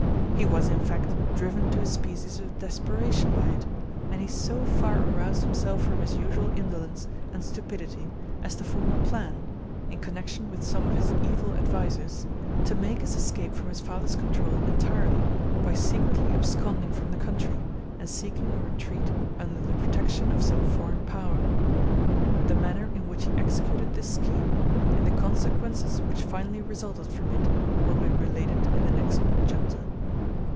He was, in fact, driven to a species of desperation by it, and he so far aroused himself from his usual indolence and stupidity as to form a plan, in connection with some of his evil advisers, to make his escape from his father's control entirely by secretly absconding from the country, and seeking a retreat under the protection of some foreign power. The manner in which he executed this scheme, and the consequences which finally resulted from it, will be related in the next chapter.